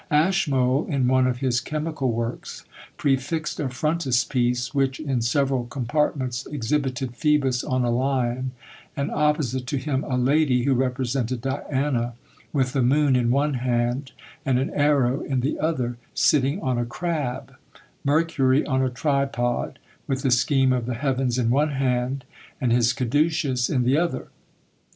Ashmole, in one of his chemical works, prefixed a frontispiece, which, in several compartments, exhibited Phoebus on a lion, and opposite to him a lady, who represented Diana, with the moon in one hand and an arrow in the other, sitting on a crab; Mercury on a tripod, with the scheme of the heavens in one hand, and his caduccus in the other.